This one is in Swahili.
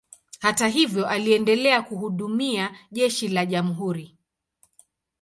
Hata hivyo, aliendelea kuhudumia jeshi la jamhuri.